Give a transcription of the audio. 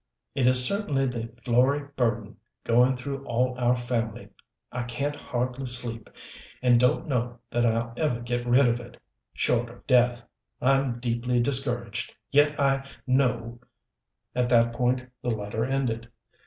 It is certainly the Florey burden, going through all our family. I can't hardly sleep, and don't know that I'll ever get rid of it, short of death. I'm deeply discouraged, yet I know At that point the letter ended.